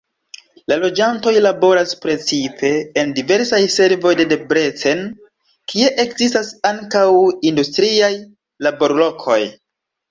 La loĝantoj laboras precipe en diversaj servoj de Debrecen, kie ekzistas ankaŭ industriaj laborlokoj.